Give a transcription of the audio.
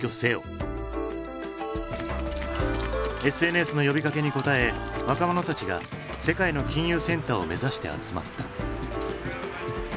ＳＮＳの呼びかけに応え若者たちが世界の金融センターを目指して集まった。